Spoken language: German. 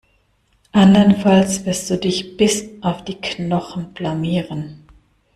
Andernfalls wirst du dich bis auf die Knochen blamieren.